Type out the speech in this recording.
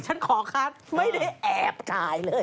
ฉันขอคัดไม่ได้แอบจ่ายเลย